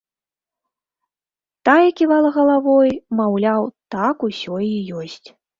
Тая ківала галавой, маўляў, так усё і ёсць.